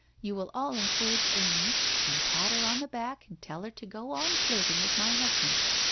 You will all encourage Amy and pat her on the back and tell her to go on flirting with my husband.